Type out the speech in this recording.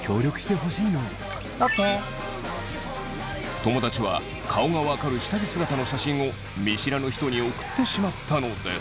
友達は顔が分かる下着姿の写真を見知らぬ人に送ってしまったのです。